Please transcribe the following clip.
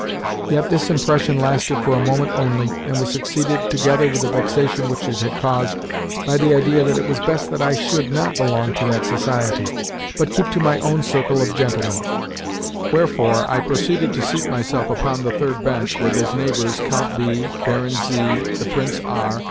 Yet this impression lasted for a moment only, and was succeeded, together with the vexation which it had caused, by the idea that it was best that I should not belong to that society, but keep to my own circle of gentlemen; wherefore I proceeded to seat myself upon the third bench, with, as neighbours, Count B., Baron Z., the Prince R.